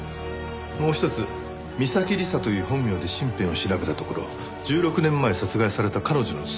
もう一つ三崎理沙という本名で身辺を調べたところ１６年前殺害された彼女の父親